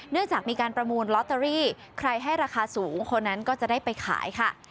จากมีการประมูลลอตเตอรี่ใครให้ราคาสูงคนนั้นก็จะได้ไปขายค่ะ